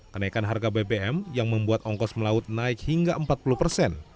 kenaikan harga bbm yang membuat ongkos melaut naik hingga empat puluh persen